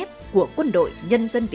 vang vọng non sông